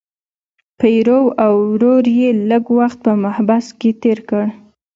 پیرو او ورور یې لږ وخت په محبس کې تیر کړ.